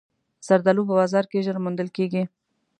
زردالو په بازار کې ژر موندل کېږي.